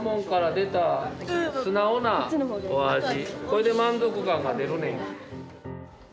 これで満足感が出るねん。